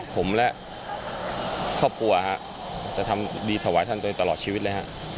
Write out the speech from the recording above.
ผมและครอบครัวจะทำดีถวายท่านตัวเองตลอดชีวิตเลยฮะ